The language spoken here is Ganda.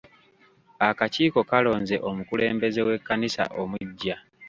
Akakiiko kalonze omukulembeze w'ekkanisa omuggya.